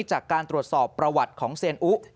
จากการตรวจสอบประวัติของเซียนอุ